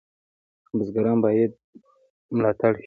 بزګران باید ملاتړ شي.